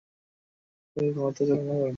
এরপর তিনি ক্ষমতা চালনা করেন।